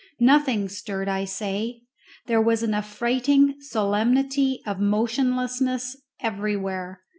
Nothing stirred, I say; there was an affrighting solemnity of motionlessness everywhere.